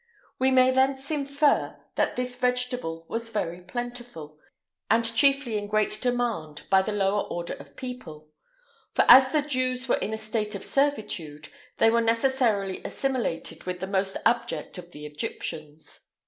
[IX 114] We may thence infer that this vegetable was very plentiful, and chiefly in great demand by the lower order of people; for as the Jews were in a state of servitude, they were necessarily assimilated with the most abject of the Egyptians.